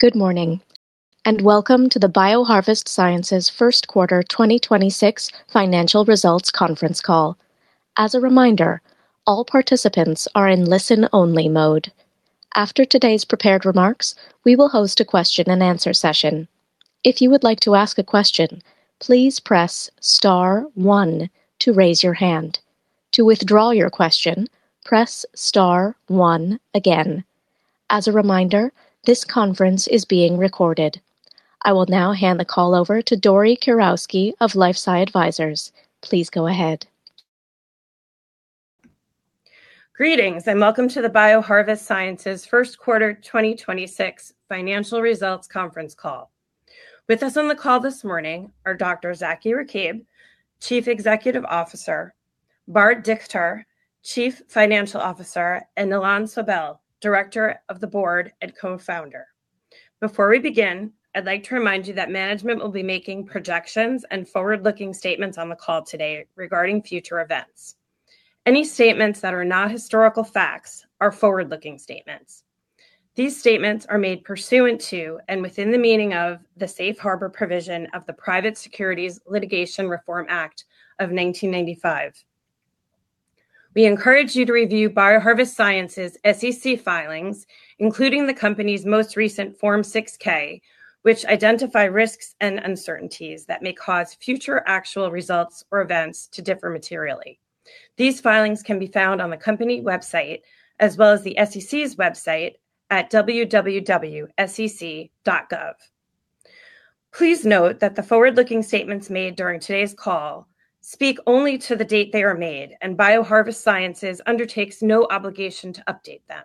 Good morning, and welcome to the BioHarvest Sciences First Quarter 2026 Financial Results Conference Call. As a reminder, all participants are in listen-only mode. After today's prepared remarks, we will host a question and answer session. If you would like to ask a question, please press star one to raise your hand. To withdraw your question, press star one again. As a reminder, this conference is being recorded. I will now hand the call over to Dory Kurowski of LifeSci Advisors. Please go ahead. Greetings, and welcome to the BioHarvest Sciences First Quarter 2026 Financial Results Conference Call. With us on the call this morning are Dr. Zaki Rakib, Chief Executive Officer, Bar Dichter, Chief Financial Officer, and Ilan Sobel, Director of the Board and Co-founder. Before we begin, I'd like to remind you that management will be making projections and forward-looking statements on the call today regarding future events. Any statements that are not historical facts are forward-looking statements. These statements are made pursuant to and within the meaning of the safe harbor provision of the Private Securities Litigation Reform Act of 1995. We encourage you to review BioHarvest Sciences' SEC filings, including the company's most recent Form 6-K, which identify risks and uncertainties that may cause future actual results or events to differ materially. These filings can be found on the company website as well as the SEC's website at www.sec.gov. Please note that the forward-looking statements made during today's call speak only to the date they are made. BioHarvest Sciences undertakes no obligation to update them.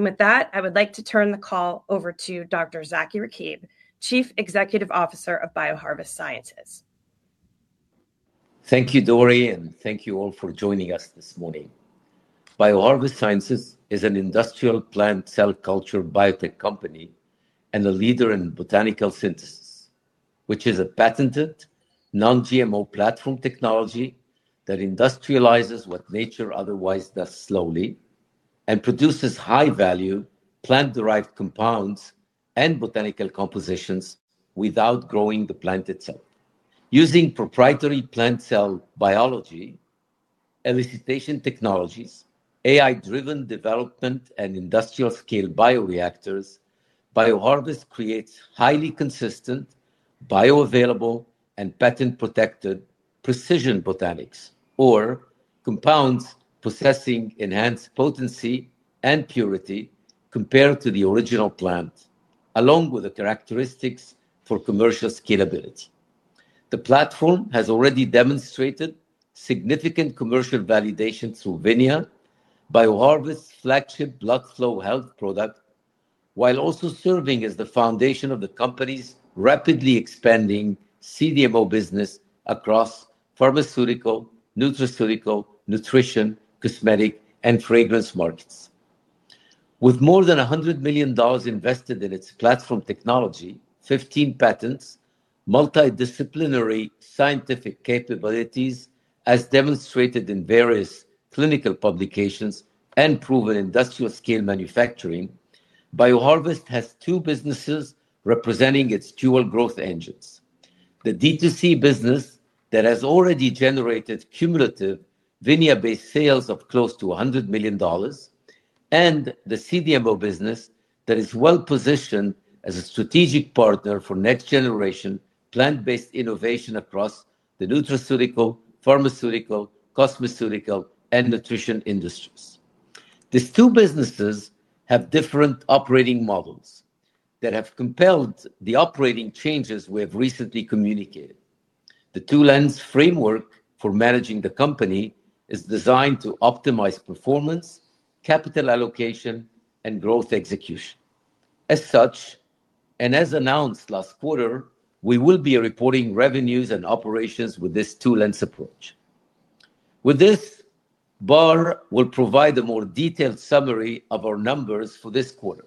With that, I would like to turn the call over to Dr. Zaki Rakib, Chief Executive Officer of BioHarvest Sciences. Thank you, Dory, and thank you all for joining us this morning. BioHarvest Sciences is an industrial plant cell culture biotech company and a leader in Botanical Synthesis, which is a patented non-GMO platform technology that industrializes what nature otherwise does slowly and produces high-value plant-derived compounds and botanical compositions without growing the plant itself. Using proprietary plant cell biology, elicitation technologies, AI-driven development, and industrial-scale bioreactors, BioHarvest creates highly consistent, bioavailable, and patent-protected precision botanics or compounds possessing enhanced potency and purity compared to the original plant, along with the characteristics for commercial scalability. The platform has already demonstrated significant commercial validation through VINIA, BioHarvest's flagship blood flow health product, while also serving as the foundation of the company's rapidly expanding CDMO business across pharmaceutical, nutraceutical, nutrition, cosmetic, and fragrance markets. With more than $100 million invested in its platform technology, 15 patents, multidisciplinary scientific capabilities as demonstrated in various clinical publications, and proven industrial scale manufacturing, BioHarvest has two businesses representing its dual growth engines. The D2C business that has already generated cumulative VINIA-based sales of close to $100 million and the CDMO business that is well-positioned as a strategic partner for next-generation plant-based innovation across the nutraceutical, pharmaceutical, cosmeceutical, and nutrition industries. These two businesses have different operating models that have compelled the operating changes we have recently communicated. The two-lens framework for managing the company is designed to optimize performance, capital allocation, and growth execution. As such, and as announced last quarter, we will be reporting revenues and operations with this two-lens approach. With this, Bar will provide a more detailed summary of our numbers for this quarter.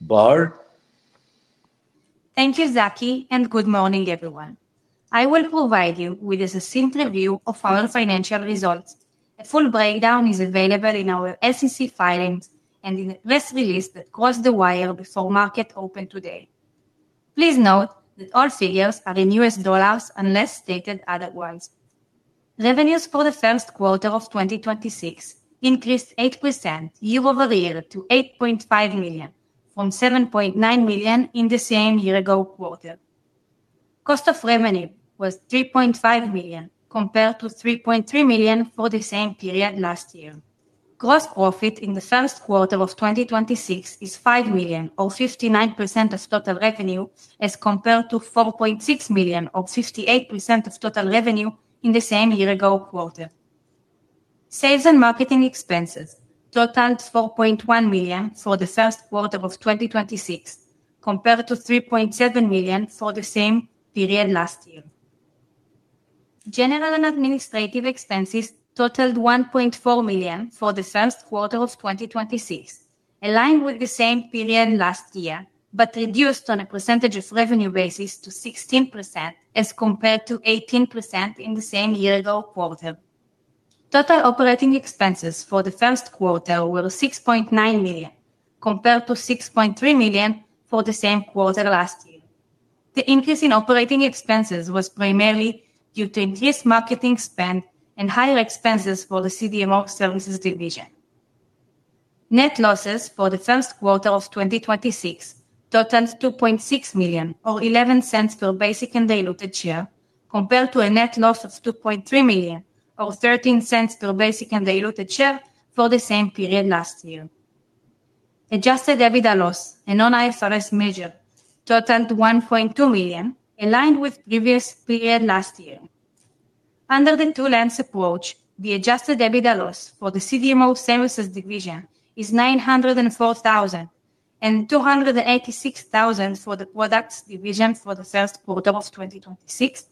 Bar? Thank you, Zaki, and good morning, everyone. I will provide you with a succinct review of our financial results. A full breakdown is available in our SEC filings and in the press release that crossed the wire before market open today. Please note that all figures are in U.S. dollars unless stated otherwise. Revenues for the first quarter of 2026 increased 8% year-over-year to $8.5 million from $7.9 million in the same year ago quarter. Cost of revenue was $3.5 million compared to $3.3 million for the same period last year. Gross profit in the first quarter of 2026 is $5 million or 59% of total revenue as compared to $4.6 million or 58% of total revenue in the same year ago quarter. Sales and marketing expenses totaled $4.1 million for the first quarter of 2026 compared to $3.7 million for the same period last year. General and administrative expenses totaled $1.4 million for the first quarter of 2026, aligned with the same period last year, but reduced on a percentage of revenue basis to 16% as compared to 18% in the same year ago quarter. Total operating expenses for the first quarter were $6.9 million, compared to $6.3 million for the same quarter last year. The increase in operating expenses was primarily due to increased marketing spend and higher expenses for the CDMO services division. Net losses for the first quarter of 2026 totals $2.6 million, or $0.11 per basic and diluted share, compared to a net loss of $2.3 million or $0.13 per basic and diluted share for the same period last year. Adjusted EBITDA loss, a non-IFRS measure, totaled $1.2 million, aligned with previous period last year. Under the two-lens approach, the adjusted EBITDA loss for the CDMO services division is $904,000, and $286,000 for the products division for the first quarter of 2026,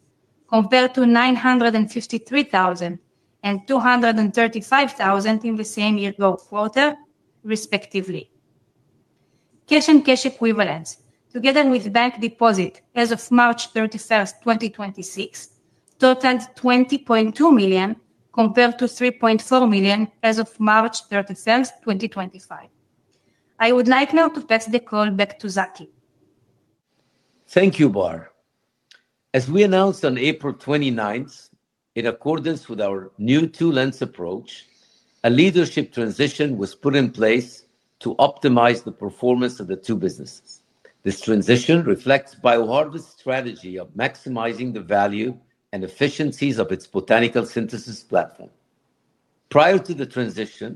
compared to $953,000 and $235,000 in the same year-ago quarter, respectively. Cash and cash equivalents, together with bank deposit as of March 31st, 2026, totaled $20.2 million, compared to $3.4 million as of March 31st, 2025. I would like now to pass the call back to Zaki. Thank you, Bar. As we announced on April 29th, in accordance with our new 2-lens approach, a leadership transition was put in place to optimize the performance of the two businesses. This transition reflects BioHarvest’s strategy of maximizing the value and efficiencies of its Botanical Synthesis platform. Prior to the transition,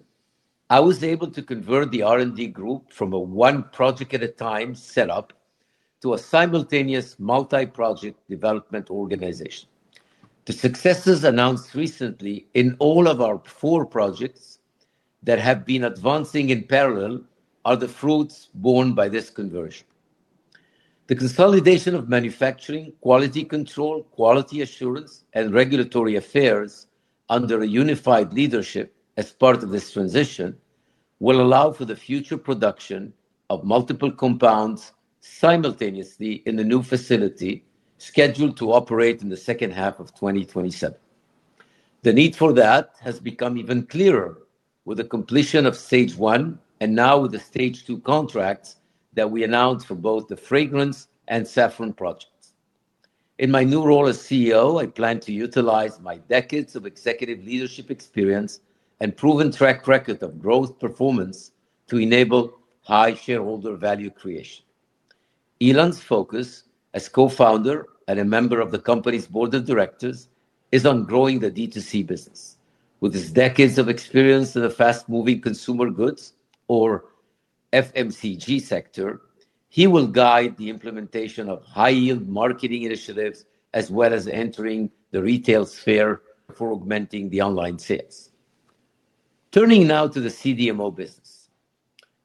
I was able to convert the R&D group from a one project at a time set up to a simultaneous multi-project development organization. The successes announced recently in all of our four projects that have been advancing in parallel are the fruits borne by this conversion. The consolidation of manufacturing, quality control, quality assurance, and regulatory affairs under a unified leadership as part of this transition will allow for the future production of multiple compounds simultaneously in the new facility scheduled to operate in the second half of 2027. The need for that has become even clearer with the completion of stage I and now with the stage II contracts that we announced for both the fragrance and saffron projects. In my new role as CEO, I plan to utilize my decades of executive leadership experience and proven track record of growth performance to enable high shareholder value creation. Ilan's focus as Co-Founder and a member of the company's board of directors is on growing the D2C business. With his decades of experience in the fast-moving consumer goods, or FMCG sector, he will guide the implementation of high-yield marketing initiatives as well as entering the retail sphere for augmenting the online sales. Turning now to the CDMO business.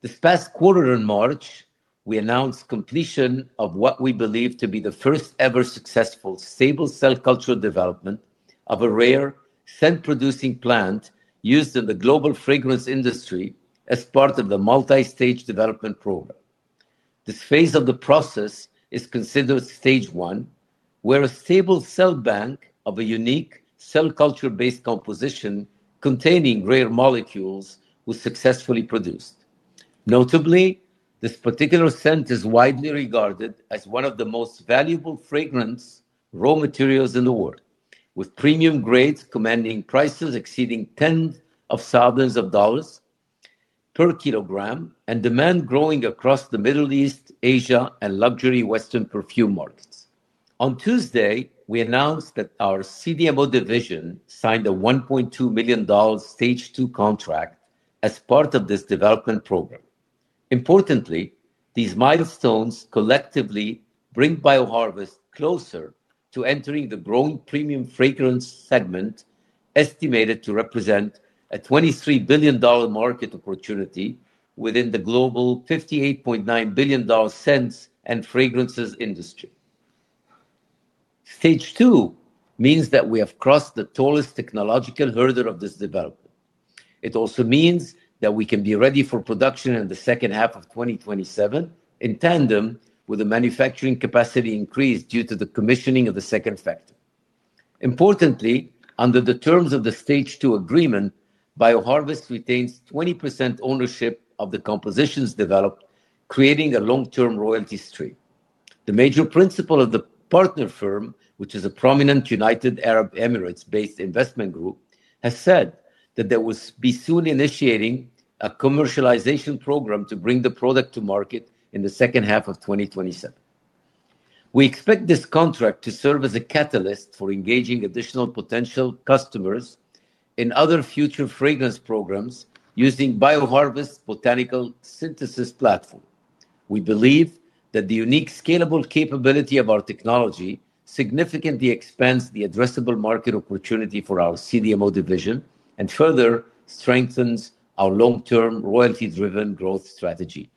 This past quarter in March, we announced completion of what we believe to be the first-ever successful stable cell culture development of a rare scent-producing plant used in the global fragrance industry as part of the multi-stage development program. This phase of the process is considered stage I, where a stable cell bank of a unique cell culture-based composition containing rare molecules was successfully produced. Notably, this particular scent is widely regarded as one of the most valuable fragrance raw materials in the world, with premium grades commanding prices exceeding tens of thousands of dollars per kilogram and demand growing across the Middle East, Asia, and luxury Western perfume markets. On Tuesday, we announced that our CDMO division signed a $1.2 million stage II contract as part of this development program. Importantly, these milestones collectively bring BioHarvest closer to entering the growing premium fragrance segment, estimated to represent a $23 billion market opportunity within the global $58.9 billion scents and fragrances industry. Stage II means that we have crossed the tallest technological hurdle of this development. It also means that we can be ready for production in the second half of 2027, in tandem with the manufacturing capacity increase due to the commissioning of the second factory. Importantly, under the terms of the Stage II Agreement, BioHarvest retains 20% ownership of the compositions developed, creating a long-term royalty stream. The major principle of the partner firm, which is a prominent United Arab Emirates-based investment group, has said that they will be soon initiating a commercialization program to bring the product to market in the second half of 2027. We expect this contract to serve as a catalyst for engaging additional potential customers in other future fragrance programs using BioHarvest's Botanical Synthesis platform. We believe that the unique scalable capability of our technology significantly expands the addressable market opportunity for our CDMO division and further strengthens our long-term royalty-driven growth strategy.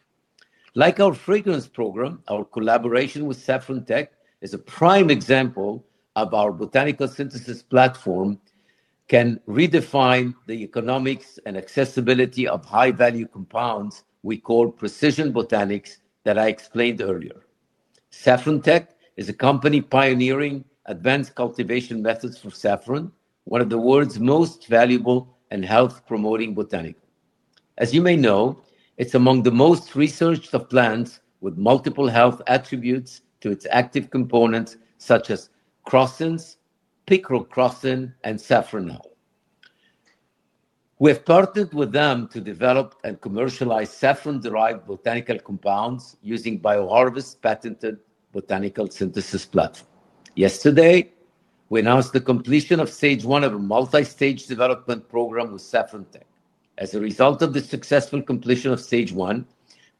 Like our fragrance program, our collaboration with Saffron Tech is a prime example of our Botanical Synthesis platform can redefine the economics and accessibility of high-value compounds we call precision botanics that I explained earlier. Saffron Tech is a company pioneering advanced cultivation methods for saffron, one of the world's most valuable and health-promoting botanic. As you may know, it's among the most researched of plants with multiple health attributes to its active components such as crocin, picrocrocin, and safranal. We have partnered with them to develop and commercialize saffron-derived botanical compounds using BioHarvest's patented Botanical Synthesis platform. Yesterday, we announced the completion of stage I of a multi-stage development program with Saffron Tech. As a result of the successful completion of stage I,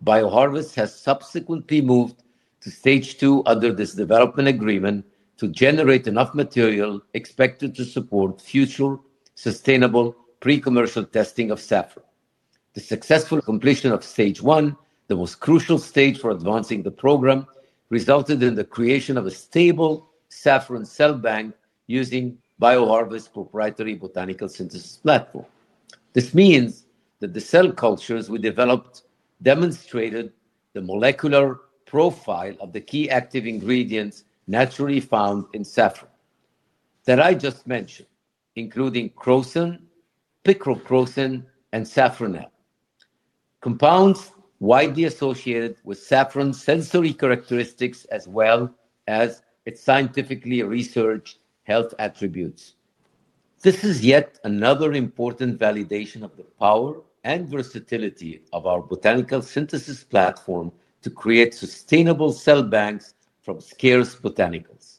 BioHarvest has subsequently moved to stage II under this development agreement to generate enough material expected to support future sustainable pre-commercial testing of saffron. The successful completion of stage I, the most crucial stage for advancing the program, resulted in the creation of a stable saffron cell bank using BioHarvest's proprietary Botanical Synthesis platform. This means that the cell cultures we developed demonstrated the molecular profile of the key active ingredients naturally found in saffron that I just mentioned, including crocin, picrocrocin, and safranal. Compounds widely associated with saffron sensory characteristics as well as its scientifically researched health attributes. This is yet another important validation of the power and versatility of our Botanical Synthesis platform to create sustainable cell banks from scarce botanicals.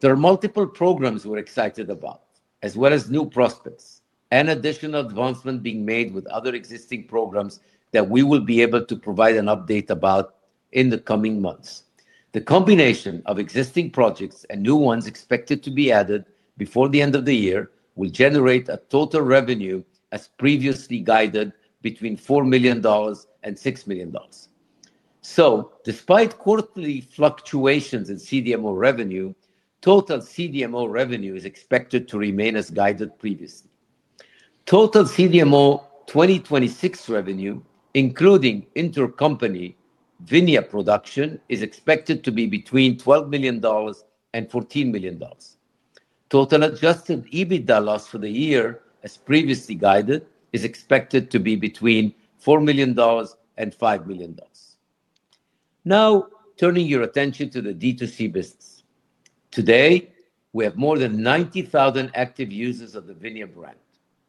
There are multiple programs we're excited about, as well as new prospects and additional advancement being made with other existing programs that we will be able to provide an update about in the coming months. The combination of existing projects and new ones expected to be added before the end of the year will generate a total revenue as previously guided between $4 million and $6 million. Despite quarterly fluctuations in CDMO revenue, total CDMO revenue is expected to remain as guided previously. Total CDMO 2026 revenue, including intercompany VINIA production, is expected to be between $12 million and $14 million. Total adjusted EBITDA loss for the year, as previously guided, is expected to be between $4 million and $5 million. Turning your attention to the D2C business. Today, we have more than 90,000 active users of the VINIA brand,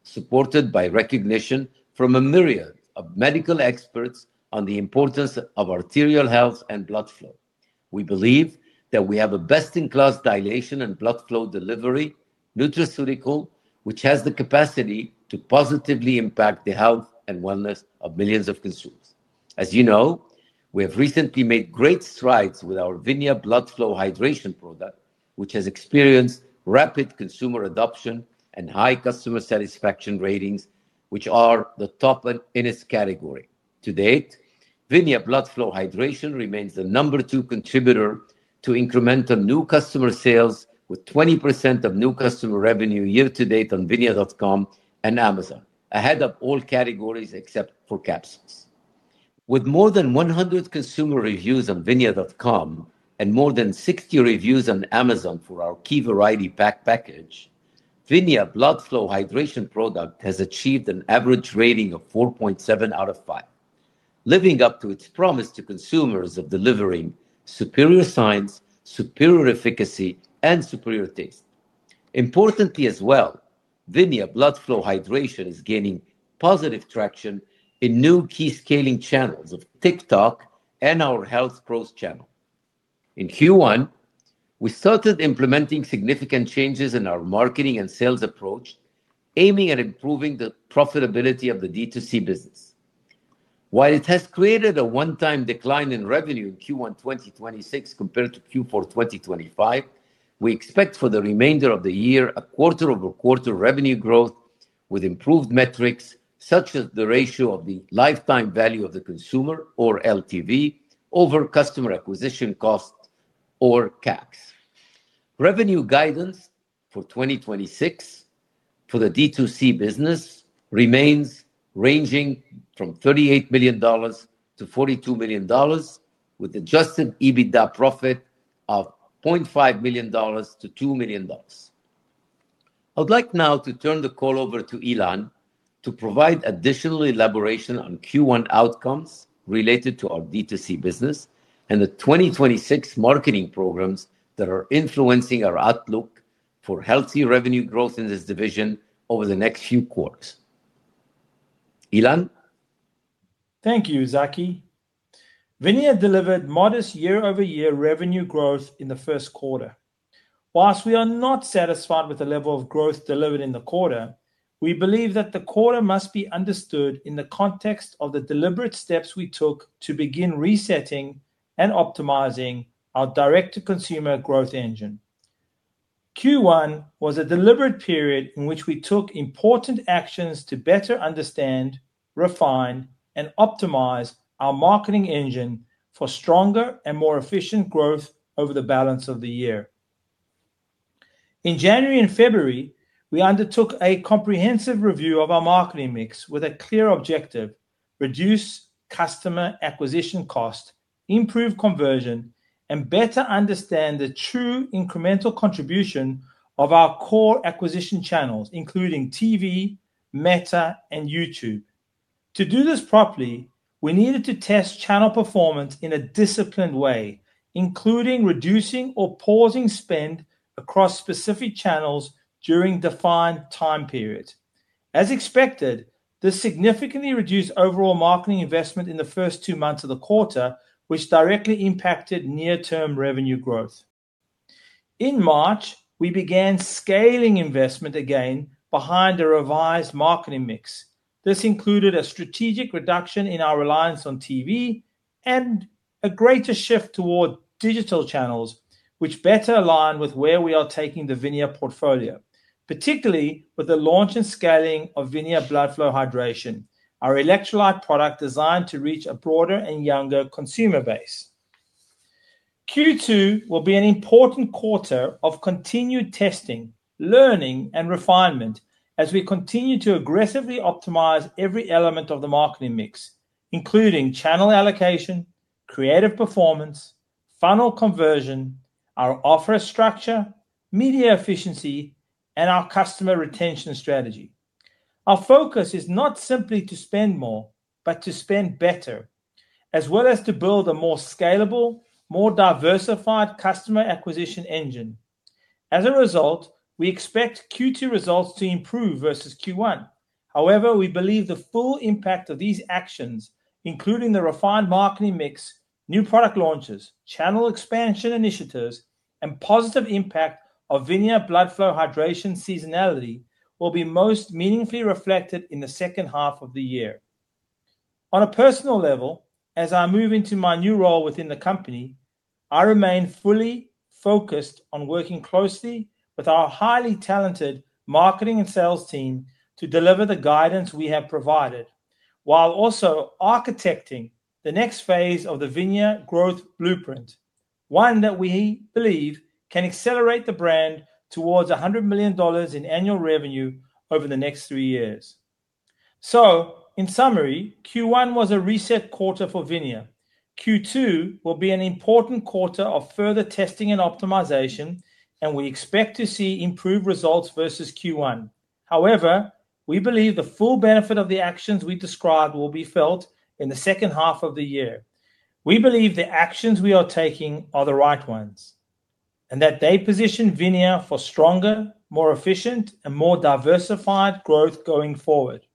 supported by recognition from a myriad of medical experts on the importance of arterial health and blood flow. We believe that we have a best-in-class dilation and blood flow delivery nutraceutical, which has the capacity to positively impact the health and wellness of millions of consumers. As you know, we have recently made great strides with our VINIA Blood Flow Hydration product, which has experienced rapid consumer adoption and high customer satisfaction ratings, which are the top in its category. To date, VINIA Blood Flow Hydration remains the number two contributor to incremental new customer sales with 20% of new customer revenue year-to-date on vinia.com and Amazon, ahead of all categories except for capsules. With more than 100 consumer reviews on vinia.com and more than 60 reviews on Amazon for our key variety pack package, VINIA Blood Flow Hydration product has achieved an average rating of 4.7 out of 5, living up to its promise to consumers of delivering superior science, superior efficacy, and superior taste. Importantly as well, VINIA Blood Flow Hydration is gaining positive traction in new key scaling channels of TikTok and our health pros channel. In Q1, we started implementing significant changes in our marketing and sales approach, aiming at improving the profitability of the D2C business. While it has created a one-time decline in revenue in Q1 2026 compared to Q4 2025, we expect for the remainder of the year a quarter-over-quarter revenue growth with improved metrics such as the ratio of the lifetime value of the consumer or LTV over customer acquisition cost or CAC. Revenue guidance for 2026 for the D2C business remains ranging from $38 million-$42 million with adjusted EBITDA profit of $0.5 million-$2 million. I would like now to turn the call over to Ilan to provide additional elaboration on Q1 outcomes related to our D2C business and the 2026 marketing programs that are influencing our outlook for healthy revenue growth in this division over the next few quarters. Ilan? Thank you, Zaki. VINIA delivered modest year-over-year revenue growth in the first quarter. Whilst we are not satisfied with the level of growth delivered in the quarter, we believe that the quarter must be understood in the context of the deliberate steps we took to begin resetting and optimizing our direct-to-consumer growth engine. Q1 was a deliberate period in which we took important actions to better understand, refine, and optimize our marketing engine for stronger and more efficient growth over the balance of the year. In January and February, we undertook a comprehensive review of our marketing mix with a clear objective: reduce Customer Acquisition Cost, improve conversion, and better understand the true incremental contribution of our core acquisition channels, including TV, Meta, and YouTube. To do this properly, we needed to test channel performance in a disciplined way, including reducing or pausing spend across specific channels during defined time periods. As expected, this significantly reduced overall marketing investment in the first two months of the quarter, which directly impacted near-term revenue growth. In March, we began scaling investment again behind a revised marketing mix. This included a strategic reduction in our reliance on TV and a greater shift toward digital channels, which better align with where we are taking the VINIA portfolio, particularly with the launch and scaling of VINIA Blood Flow Hydration, our electrolyte product designed to reach a broader and younger consumer base. Q2 will be an important quarter of continued testing, learning, and refinement as we continue to aggressively optimize every element of the marketing mix, including channel allocation, creative performance, funnel conversion, our offer structure, media efficiency, and our customer retention strategy. Our focus is not simply to spend more, but to spend better, as well as to build a more scalable, more diversified customer acquisition engine. As a result, we expect Q2 results to improve versus Q1. However, we believe the full impact of these actions, including the refined marketing mix, new product launches, channel expansion initiatives, and positive impact of VINIA Blood Flow Hydration seasonality will be most meaningfully reflected in the second half of the year. On a personal level, as I move into my new role within the company, I remain fully focused on working closely with our highly talented marketing and sales team to deliver the guidance we have provided, while also architecting the next phase of the VINIA Growth Blueprint, one that we believe can accelerate the brand towards $100 million in annual revenue over the next three years. In summary, Q1 was a reset quarter for VINIA. Q2 will be an important quarter of further testing and optimization, and we expect to see improved results versus Q1. However, we believe the full benefit of the actions we described will be felt in the second half of the year. We believe the actions we are taking are the right ones, and that they position VINIA for stronger, more efficient, and more diversified growth going forward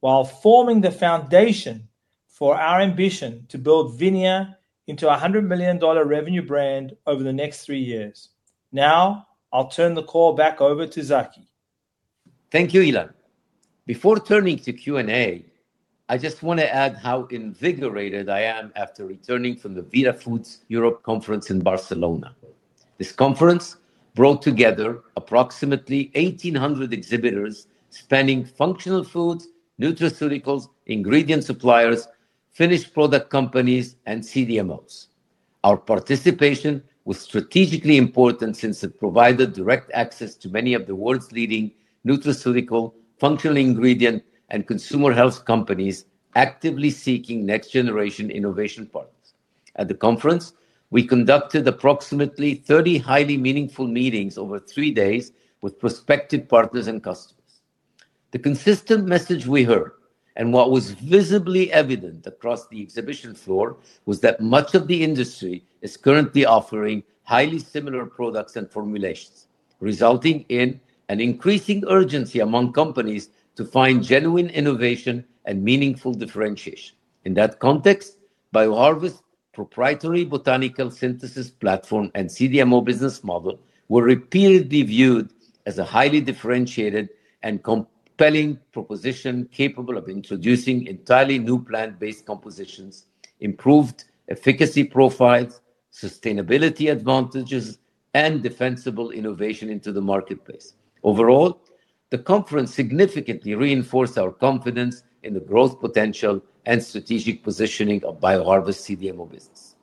while forming the foundation for our ambition to build VINIA into a $100 million revenue brand over the next three years. Now I'll turn the call back over to Zaki. Thank you, Ilan. Before turning to Q&A, I just want to add how invigorated I am after returning from the Vitafoods Europe Conference in Barcelona. This conference brought together approximately 1,800 exhibitors spanning functional foods, nutraceuticals, ingredient suppliers, finished product companies, and CDMOs. Our participation was strategically important since it provided direct access to many of the world's leading nutraceutical, functional ingredient, and consumer health companies actively seeking next generation innovation partners. At the conference, we conducted approximately 30 highly meaningful meetings over three days with prospective partners and customers. The consistent message we heard and what was visibly evident across the exhibition floor was that much of the industry is currently offering highly similar products and formulations, resulting in an increasing urgency among companies to find genuine innovation and meaningful differentiation. In that context, BioHarvest Sciences proprietary Botanical Synthesis platform and CDMO business model were repeatedly viewed as a highly differentiated and compelling proposition capable of introducing entirely new plant-based compositions, improved efficacy profiles, sustainability advantages, and defensible innovation into the marketplace. Overall, the conference significantly reinforced our confidence in the growth potential and strategic positioning of BioHarvest Sciences CDMO business.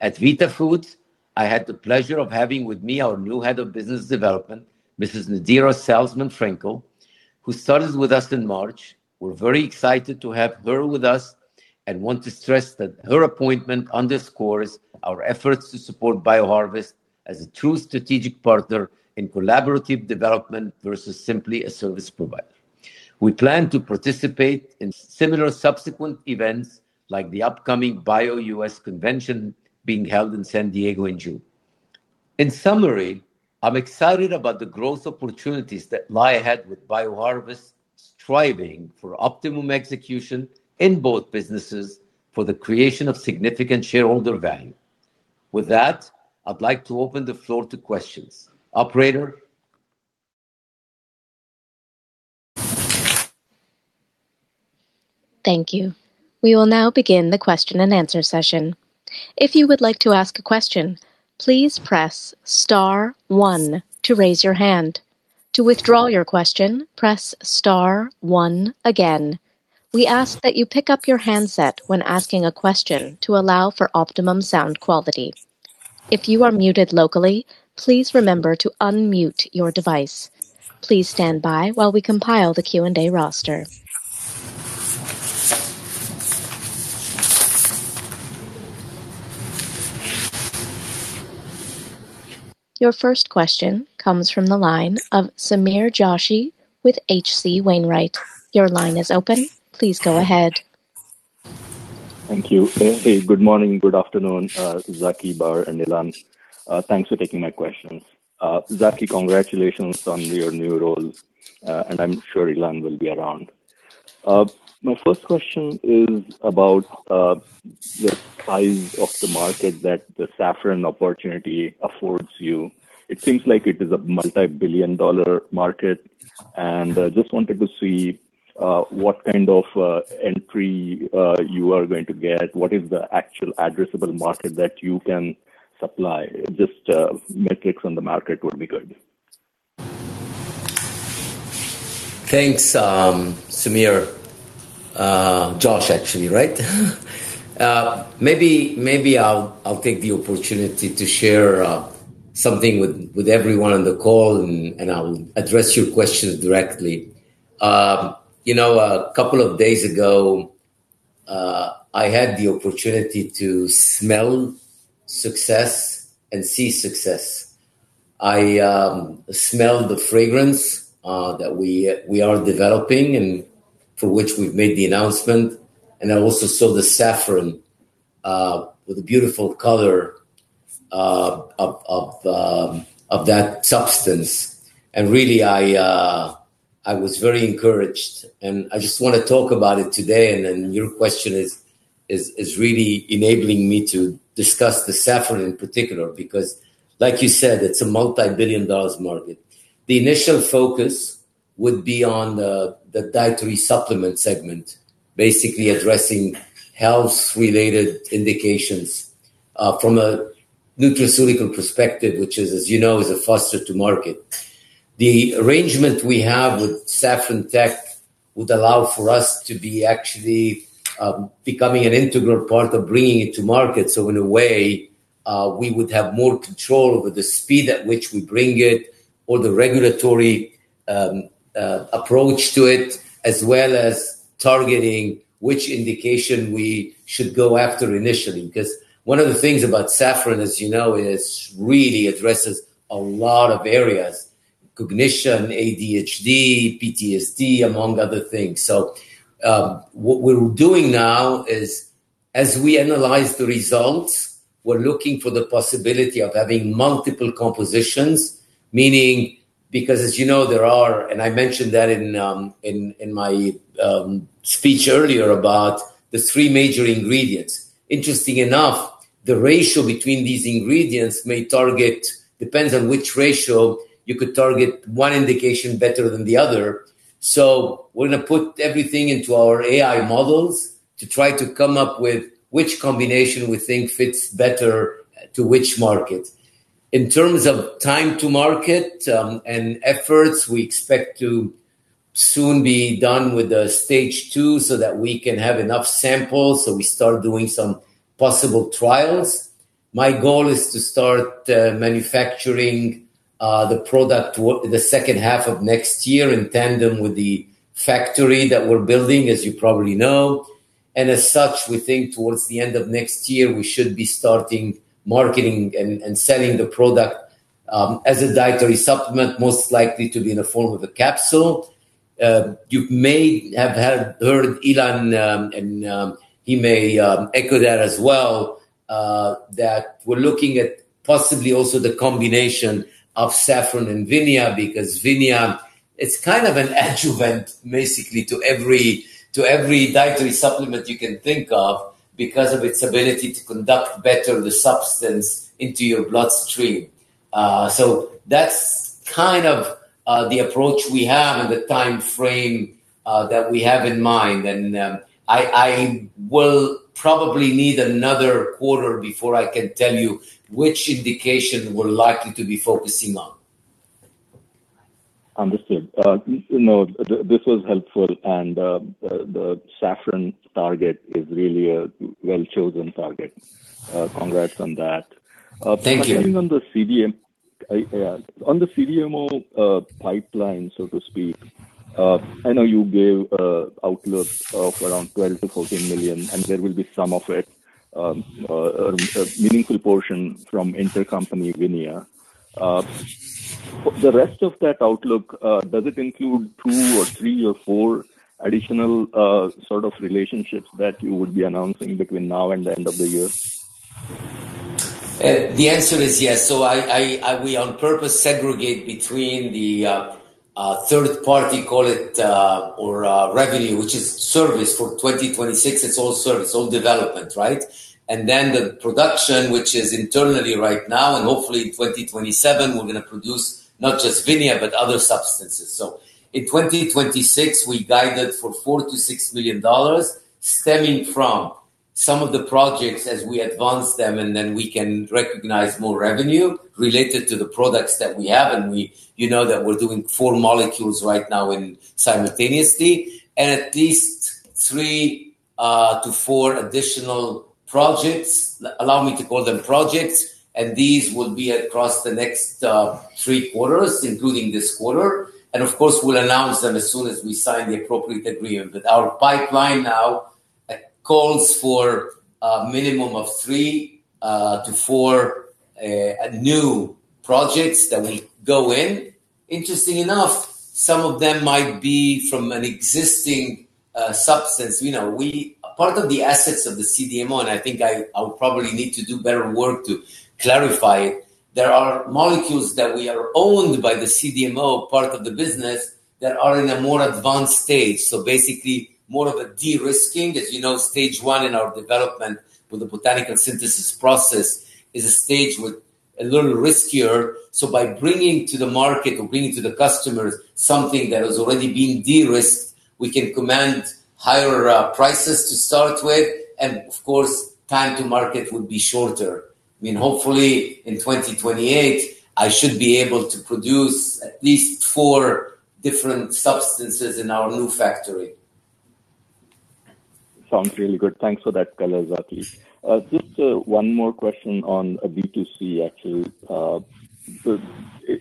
At Vitafoods, I had the pleasure of having with me our new Head of Business Development, Mrs. Nedira Salzman-Frenkel, who started with us in March. We're very excited to have her with us and want to stress that her appointment underscores our efforts to support BioHarvest Sciences as a true strategic partner in collaborative development versus simply a service provider. We plan to participate in similar subsequent events like the upcoming BIO US convention being held in San Diego in June. In summary, I'm excited about the growth opportunities that lie ahead with BioHarvest striving for optimum execution in both businesses for the creation of significant shareholder value. With that, I'd like to open the floor to questions. Operator? Thank you. We will now begin the question and answer session. If you would like to ask a question, please press star one to raise your hand. To withdraw your question, press star one again. We ask that you pick up your handset when asking a question to allow for optimum sound quality. If you are muted locally, please remember to unmute your device. Please stand by while we compile the Q&A roster. Your first question comes from the line of Sameer Joshi with H.C. Wainwright. Your line is open. Please go ahead. Thank you. Hey, good morning, good afternoon, Zaki, Bar, and Ilan. Thanks for taking my questions. Zaki, congratulations on your new role, and I'm sure Ilan will be around. My first question is about the size of the market that the saffron opportunity affords you. It seems like it is a multi-billion dollar market, and I just wanted to see what kind of entry you are going to get. What is the actual addressable market that you can supply? Just metrics on the market would be good. Thanks, Sameer Joshi, actually, right? Maybe I'll take the opportunity to share something with everyone on the call and I'll address your questions directly. You know, a couple of days ago, I had the opportunity to smell success and see success. I smelled the fragrance that we are developing and for which we've made the announcement, and I also saw the saffron with the beautiful color of that substance. Really, I was very encouraged, and I just wanna talk about it today, and then your question is really enabling me to discuss the saffron in particular because like you said, it's a multi-billion dollars market. The initial focus would be on the dietary supplement segment, basically addressing health-related indications, from a nutraceutical perspective, which is, as you know, is a faster to market. The arrangement we have with Saffron Tech would allow for us to be actually becoming an integral part of bringing it to market. In a way, we would have more control over the speed at which we bring it or the regulatory approach to it, as well as targeting which indication we should go after initially. One of the things about saffron, as you know, is really addresses a lot of areas, cognition, ADHD, PTSD, among other things. What we're doing now is, as we analyze the results, we're looking for the possibility of having multiple compositions, Because as you know, there are, and I mentioned that in my speech earlier about the three major ingredients. Interesting enough, the ratio between these ingredients may target, depends on which ratio, you could target one indication better than the other. We're gonna put everything into our AI models to try to come up with which combination we think fits better to which market. In terms of time to market, and efforts, we expect to soon be done with stage II so that we can have enough samples, so we start doing some possible trials. My goal is to start manufacturing the product the second half of next year in tandem with the factory that we're building, as you probably know. As such, we think towards the end of next year, we should be starting marketing and selling the product as a dietary supplement, most likely to be in the form of a capsule. You may have heard Ilan, and he may echo that as well, that we're looking at possibly also the combination of saffron and VINIA because VINIA, it's kind of an adjuvant basically to every dietary supplement you can think of because of its ability to conduct better the substance into your bloodstream. That's kind of the approach we have and the timeframe that we have in mind. I will probably need another quarter before I can tell you which indication we're likely to be focusing on. Understood. You know, this was helpful and, the saffron target is really a well-chosen target. Congrats on that. Thank you. Touching on the CDMO pipeline, so to speak, I know you gave a outlook of around $12 million-$14 million, and there will be some of it, a meaningful portion from intercompany VINIA. The rest of that outlook, does it include two or three or four additional, sort of relationships that you would be announcing between now and the end of the year? The answer is yes. We on purpose segregate between the third party, call it, or revenue, which is service for 2026. It's all service, all development, right? The production, which is internally right now, and hopefully in 2027, we're gonna produce not just VINIA, but other substances. In 2026, we guided for $4 million-$6 million stemming from some of the projects as we advance them and then we can recognize more revenue related to the products that we have, and we know that we're doing four molecules right now in simultaneously. At least 3-4 additional projects, allow me to call them projects, and these will be across the next three quarters, including this quarter. Of course, we'll announce them as soon as we sign the appropriate agreement. Our pipeline now calls for a minimum of 3-4 new projects that will go in. Interesting enough, some of them might be from an existing substance. You know, part of the assets of the CDMO, and I think I'll probably need to do better work to clarify it, there are molecules that we are owned by the CDMO part of the business that are in a more advanced stage. Basically more of a de-risking. As you know, stage I in our development with the Botanical Synthesis process is a stage with a little riskier. By bringing to the market or bringing to the customers something that has already been de-risked, we can command higher prices to start with and of course, time to market would be shorter. I mean, hopefully in 2028 I should be able to produce at least four different substances in our new factory. Sounds really good. Thanks for that color, Zaki. Just one more question on B2C actually.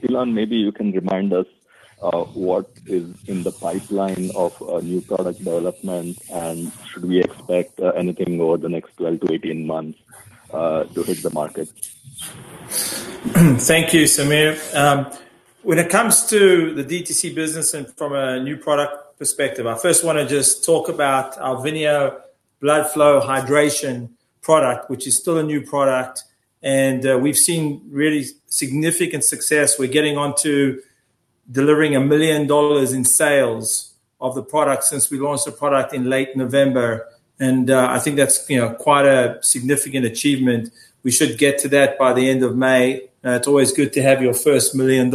Ilan, maybe you can remind us what is in the pipeline of new product development, and should we expect anything over the next 12 to 18 months to hit the market? Thank you, Sameer. When it comes to the DTC business and from a new product perspective, I first wanna just talk about our VINIA Blood Flow Hydration product, which is still a new product, and we've seen really significant success. We're getting on to delivering $1 million in sales of the product since we launched the product in late November. I think that's, you know, quite a significant achievement. We should get to that by the end of May. It's always good to have your first $1 million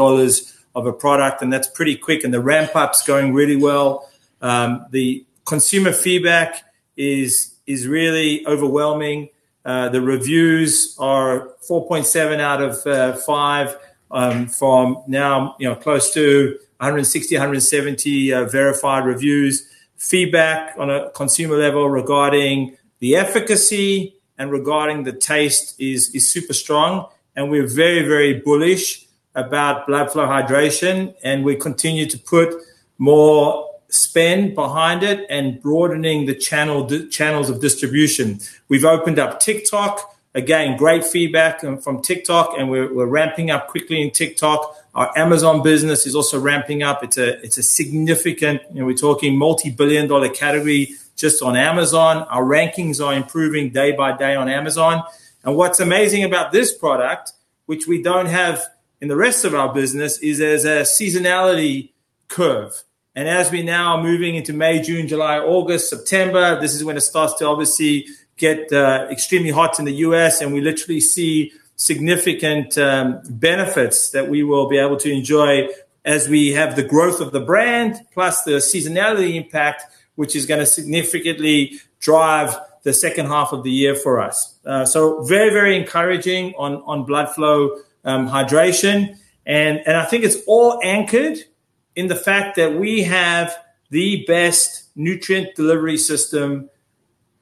of a product, that's pretty quick and the ramp-up's going really well. The consumer feedback is really overwhelming. The reviews are 4.7 out of 5, from now, you know, close to 160, 170 verified reviews. Feedback on a consumer level regarding the efficacy and regarding the taste is super strong, and we're very, very bullish about VINIA Blood Flow Hydration, and we continue to put more spend behind it and broadening the channels of distribution. We've opened up TikTok. Again, great feedback from TikTok, and we're ramping up quickly in TikTok. Our Amazon business is also ramping up. It's a significant, you know, we're talking multi-billion-dollar category just on Amazon. Our rankings are improving day by day on Amazon. What's amazing about this product, which we don't have in the rest of our business, is there's a seasonality curve. As we now are moving into May, June, July, August, September, this is when it starts to obviously get extremely hot in the U.S., and we literally see significant benefits that we will be able to enjoy as we have the growth of the brand plus the seasonality impact, which is gonna significantly drive the second half of the year for us. Very, very encouraging on Blood Flow hydration. I think it's all anchored in the fact that we have the best nutrient delivery system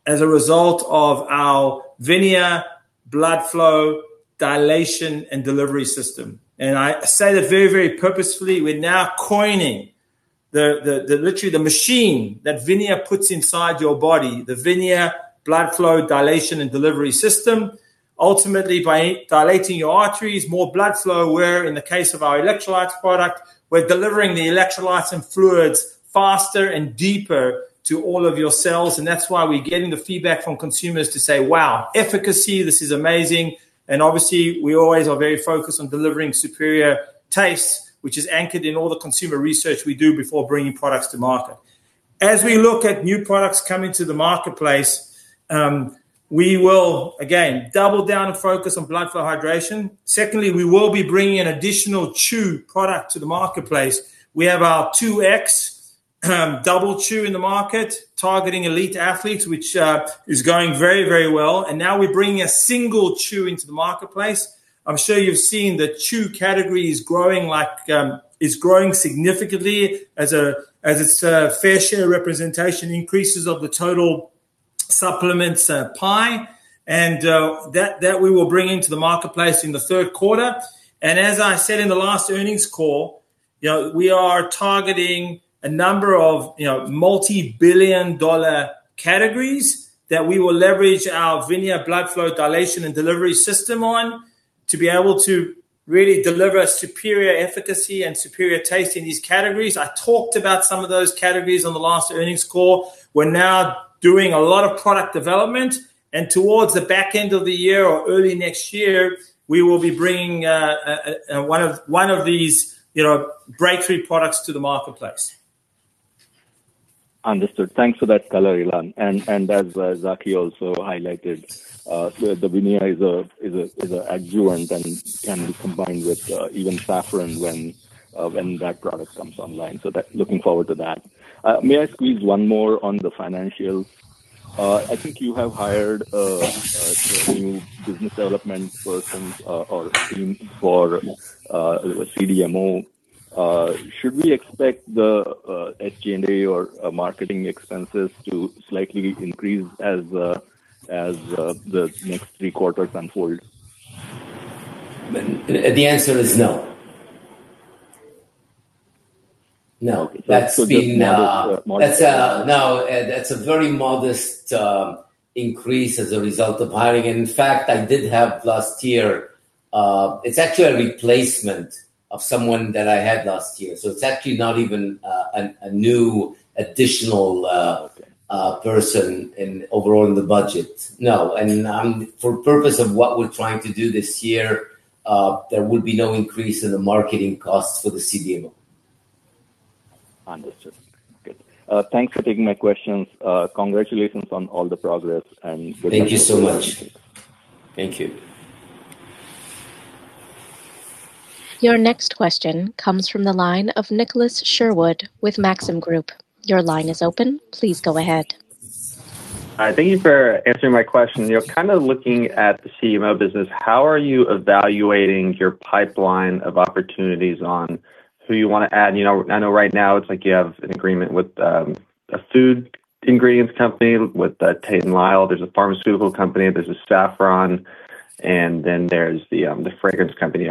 as a result of our VINIA Blood Flow dilation and delivery system. I say that very, very purposefully. We're now coining the literally the machine that VINIA puts inside your body, the VINIA Blood Flow dilation and delivery system. Ultimately, by dilating your arteries, more blood flow, where in the case of our electrolytes product, we're delivering the electrolytes and fluids faster and deeper to all of your cells, and that's why we're getting the feedback from consumers to say, "Wow, efficacy, this is amazing." Obviously, we always are very focused on delivering superior taste, which is anchored in all the consumer research we do before bringing products to market. As we look at new products coming to the marketplace, we will again double down and focus on Blood Flow Hydration. Secondly, we will be bringing an additional chew product to the marketplace. We have our 2X double chew in the market targeting elite athletes, which is going very, very well. Now we're bringing a single chew into the marketplace. I'm sure you've seen the chew category is growing like, is growing significantly as a, as its, fair share representation increases of the total supplements, pie. That we will bring into the marketplace in the 3rd quarter. As I said in the last earnings call, you know, we are targeting a number of, you know, multi-billion dollar categories that we will leverage our VINIA Blood Flow dilation and delivery system on to be able to really deliver a superior efficacy and superior taste in these categories. I talked about some of those categories on the last earnings call. We're now doing a lot of product development, and towards the back end of the year or early next year, we will be bringing, one of these, you know, breakthrough products to the marketplace. Understood. Thanks for that color, Ilan. As Zaki also highlighted, the VINIA is a adjuvant and can be combined with even saffron when that product comes online. Looking forward to that. May I squeeze one more on the financials? I think you have hired some new business development persons or team for CDMO. Should we expect the SG&A or marketing expenses to slightly increase as the next three quarters unfold? The answer is no. No, that's been. Just modest. That's no, that's a very modest increase as a result of hiring. In fact, I did have last year. It's actually a replacement of someone that I had last year. It's actually not even a new additional. Okay Person in overall in the budget. No. I mean, for purpose of what we're trying to do this year, there will be no increase in the marketing costs for the CDMO. Understood. Good. Thanks for taking my questions. Congratulations on all the progress, and good luck. Thank you so much. Thank you. Your next question comes from the line of Nicholas Sherwood with Maxim Group. Your line is open. Please go ahead. Hi. Thank you for answering my question. You know, kind of looking at the CDMO business, how are you evaluating your pipeline of opportunities on who you wanna add? You know, I know right now it's like you have an agreement with a food ingredients company with Tate & Lyle. There's a pharmaceutical company, there's a saffron, and then there's the fragrance company.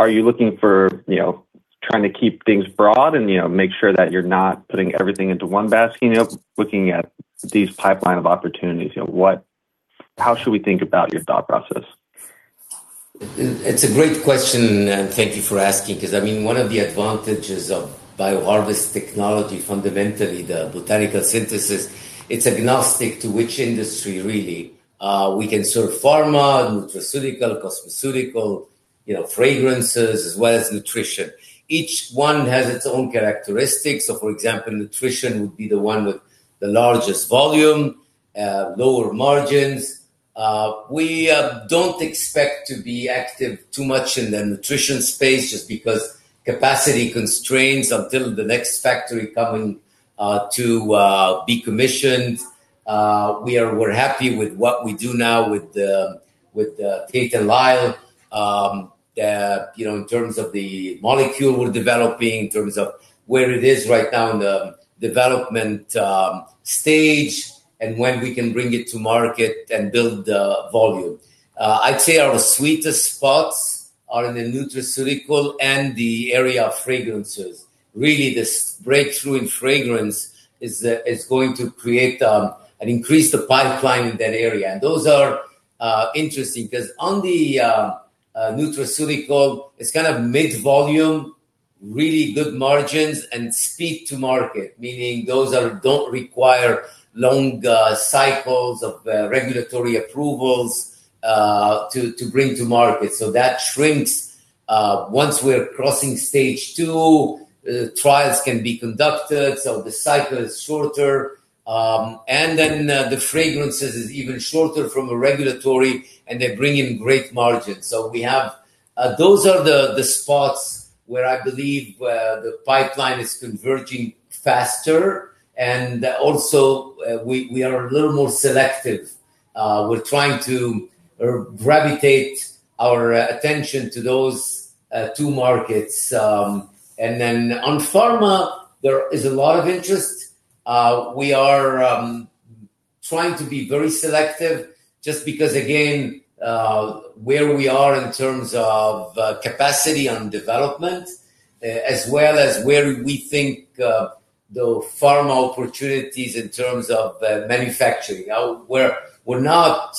Are you looking for, you know, trying to keep things broad and, you know, make sure that you're not putting everything into one basket, you know, looking at these pipeline of opportunities? You know, how should we think about your thought process? It's a great question, and thank you for asking because, I mean, one of the advantages of BioHarvest technology, fundamentally the Botanical Synthesis, it's agnostic to which industry really. We can serve pharma, nutraceutical, cosmeceutical, you know, fragrances as well as nutrition. Each one has its own characteristics. For example, nutrition would be the one with the largest volume, lower margins. We don't expect to be active too much in the nutrition space just because capacity constraints until the next factory coming to be commissioned. We're happy with what we do now with the Tate & Lyle, you know, in terms of the molecule we're developing, in terms of where it is right now in the development stage, and when we can bring it to market and build the volume. I'd say our sweetest spots are in the nutraceutical and the area of fragrances. Really, this breakthrough in fragrance is going to create an increased pipeline in that area. Those are interesting because on the nutraceutical, it's kind of mid volume, really good margins and speed to market, meaning those don't require long cycles of regulatory approvals to bring to market. That shrinks, once we're crossing phase II, trials can be conducted, so the cycle is shorter. The fragrances is even shorter from a regulatory, and they bring in great margins. Those are the spots where I believe the pipeline is converging faster. We are a little more selective. We're trying to gravitate our attention to those two markets. Then on pharma, there is a lot of interest. We are trying to be very selective just because again, where we are in terms of capacity on development, as well as where we think the pharma opportunities in terms of manufacturing. Now, we're not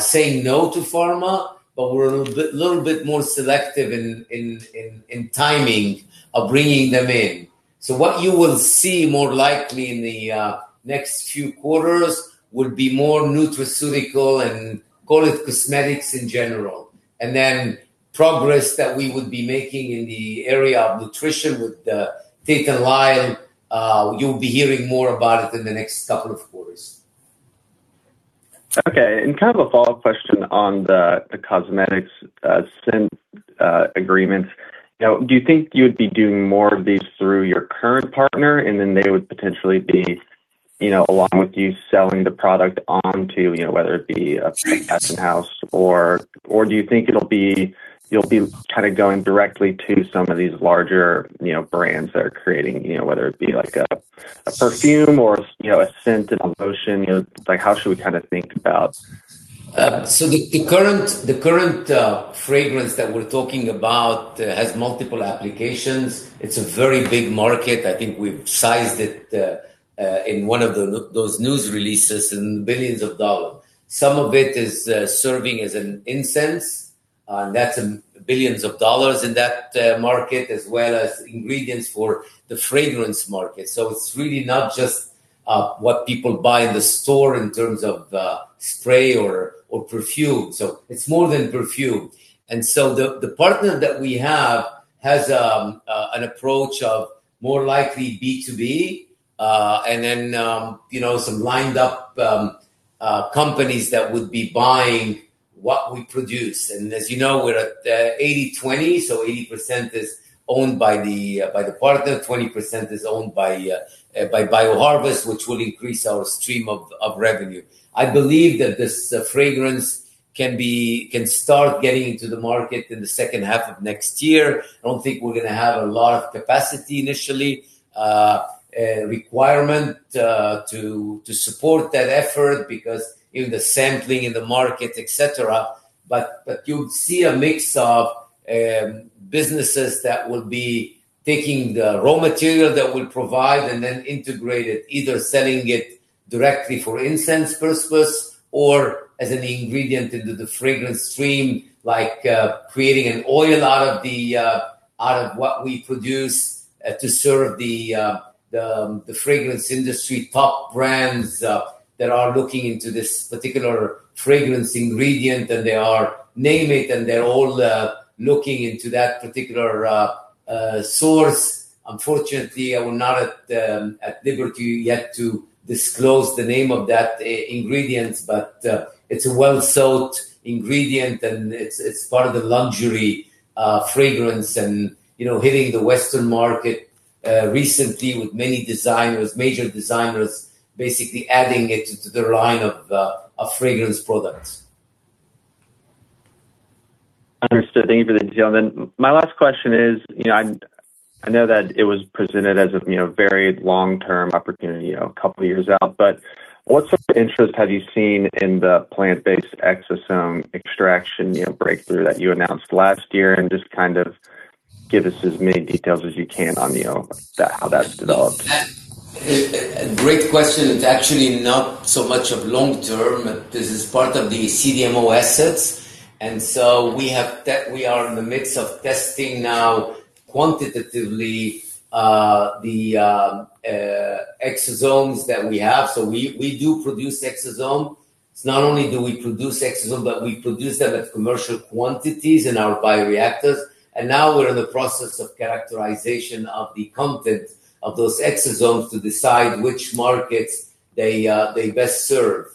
saying no to pharma, but we're a little bit more selective in timing of bringing them in. What you will see more likely in the next few quarters would be more nutraceutical and call it cosmetics in general. Then progress that we would be making in the area of nutrition with Tate & Lyle, you'll be hearing more about it in the next couple of quarters. Okay. Kind of a follow-up question on the cosmetics, scent agreements. You know, do you think you'd be doing more of these through your current partner, and then they would potentially be, you know, along with you selling the product onto, you know, whether it be a house or do you think you'll be kind of going directly to some of these larger, you know, brands that are creating, you know, whether it be like a perfume or, you know, a scent and a lotion? You know, like, how should we kind of think about? So the current fragrance that we're talking about has multiple applications. It's a very big market. I think we've sized it in one of those news releases in billions of dollars. Some of it is serving as an incense, and that's billions of dollars in that market, as well as ingredients for the fragrance market. It's really not just what people buy in the store in terms of spray or perfume. It's more than perfume. The partner that we have has an approach of more likely B2B, and then, you know, some lined up companies that would be buying what we produce. As you know, we're at 80/20, so 80% is owned by the partner, 20% is owned by BioHarvest, which will increase our stream of revenue. I believe that this fragrance can start getting into the market in the second half of next year. I don't think we're gonna have a lot of capacity initially, requirement to support that effort because in the sampling, in the market, et cetera. You'd see a mix of businesses that will be taking the raw material that we'll provide and then integrate it, either selling it directly for incense purpose or as an ingredient into the fragrance stream, like creating an oil out of what we produce to serve the fragrance industry top brands that are looking into this particular fragrance ingredient, and name it, and they're all looking into that particular source. Unfortunately, I will not at liberty yet to disclose the name of that ingredient, but it's a well-sold ingredient, and it's part of the luxury fragrance and, you know, hitting the Western market recently with many designers, major designers basically adding it to the line of fragrance products. Understood. Thank you for that, gentlemen. My last question is, you know, I know that it was presented as a, you know, very long-term opportunity, you know, a couple of years out. What sort of interest have you seen in the plant-based exosome extraction, you know, breakthrough that you announced last year? Just kind of give us as many details as you can on, you know, that, how that's developed. A great question. It's actually not so much of long term. This is part of the CDMO assets. We are in the midst of testing now quantitatively, the exosomes that we have. We do produce exosomes. Not only do we produce exosomes, but we produce them at commercial quantities in our bioreactors. Now we're in the process of characterization of the content of those exosomes to decide which markets they best serve.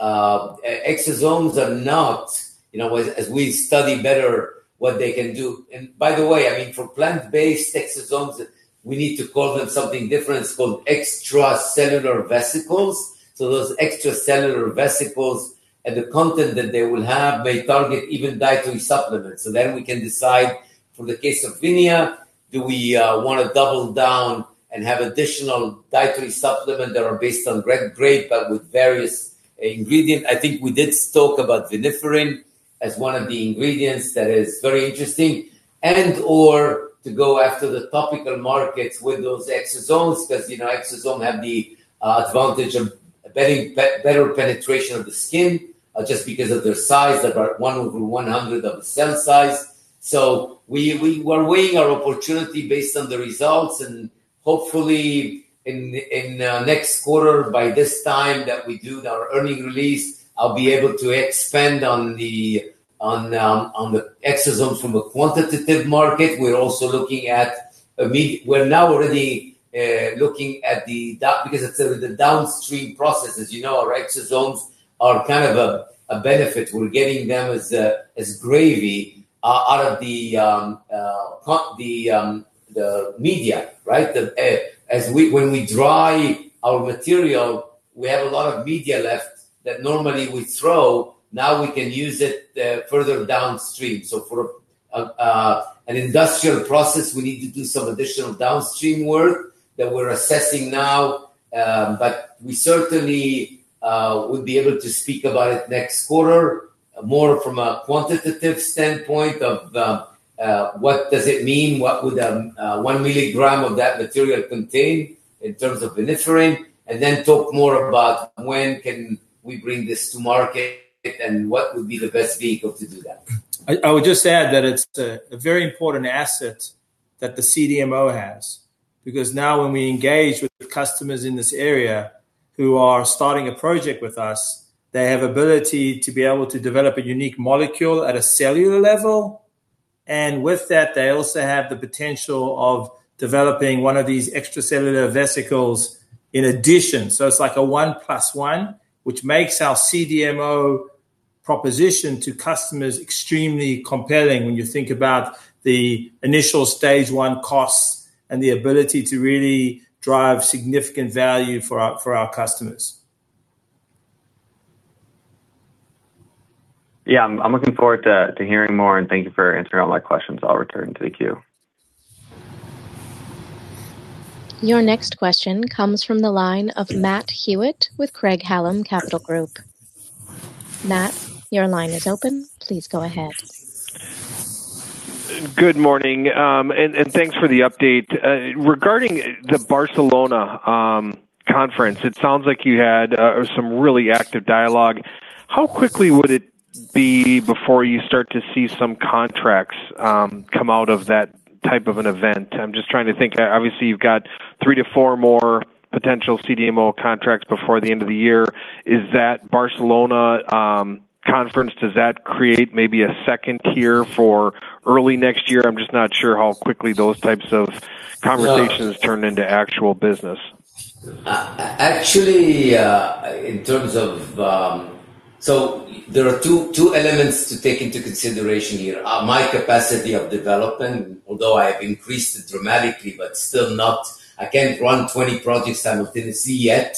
Exosomes are not, you know, as we study better what they can do. By the way, I mean, for plant-based exosomes, we need to call them something different. They're called extracellular vesicles. Those extracellular vesicles and the content that they will have may target even dietary supplements. We can decide for the case of VINIA, do we wanna double down and have additional dietary supplement that are based on red grape but with various ingredient. I think we did talk about viniferin as one of the ingredients that is very interesting and/or to go after the topical markets with those exosomes 'cause, you know, exosome have the advantage of better penetration of the skin, just because of their size, about one over 100th of a cell size. We're weighing our opportunity based on the results, and hopefully in next quarter, by this time that we do our earning release, I'll be able to expand on the exosomes from a quantitative market. We're also looking at we're now already looking at the downstream processes. You know, our exosomes are kind of a benefit. We're getting them as gravy out of the media, right? When we dry our material, we have a lot of media left that normally we throw. Now we can use it further downstream. So for an industrial process, we need to do some additional downstream work that we're assessing now. We certainly would be able to speak about it next quarter more from a quantitative standpoint of the what does it mean, what would a 1 mg of that material contain in terms of viniferin, and then talk more about when can we bring this to market and what would be the best vehicle to do that. I would just add that it's a very important asset that the CDMO has. Now when we engage with customers in this area who are starting a project with us, they have ability to be able to develop a unique molecule at a cellular level. With that, they also have the potential of developing one of these extracellular vesicles in addition. It's like a 1 + 1, which makes our CDMO proposition to customers extremely compelling when you think about the initial stage I costs and the ability to really drive significant value for our customers. Yeah. I'm looking forward to hearing more. Thank you for answering all my questions. I'll return to the queue. Your next question comes from the line of Matt Hewitt with Craig-Hallum Capital Group. Matt, your line is open. Please go ahead. Good morning. Thanks for the update. Regarding the Barcelona conference, it sounds like you had some really active dialogue. How quickly would it be before you start to see some contracts come out of that type of an event? I'm just trying to think. You've got 3-4 more potential CDMO contracts before the end of the year. Is that Barcelona conference, does that create maybe a second tier for early next year? I'm just not sure how quickly those types of conversations turned into actual business. Actually, in terms of, there are two elements to take into consideration here. My capacity of development, although I have increased it dramatically, but still not I can't run 20 projects simultaneously yet.